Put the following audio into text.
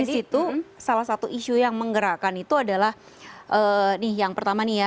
di situ salah satu isu yang menggerakkan itu adalah nih yang pertama nih ya